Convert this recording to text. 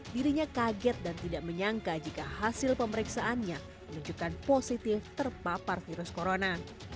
dirinya kaget dan tidak menyangka jika hasil pemeriksaannya menunjukkan positif terpapar virus corona